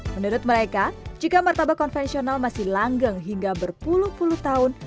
menurut mereka jika martabak konvensional masih langgeng hingga berpuluh puluh tahun